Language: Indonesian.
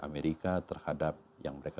amerika terhadap yang mereka